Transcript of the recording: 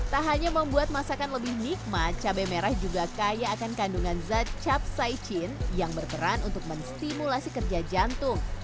tak hanya membuat masakan lebih nikmat cabai merah juga kaya akan kandungan zat capsaicin yang berperan untuk menstimulasi kerja jantung